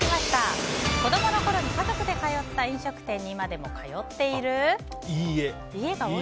子供の頃に家族で通った飲食店に今でも通っている？